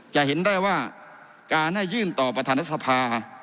จะเห็นได้ว่าการให้ยื่นต่อประธานรัฐสภา